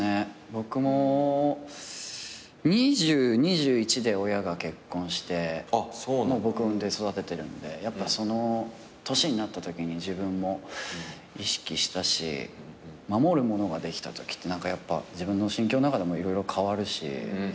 僕も２０２１で親が結婚して僕を産んで育ててるんでやっぱその年になったときに自分も意識したし守るものができたときってやっぱ自分の心境の中でも色々変わるし。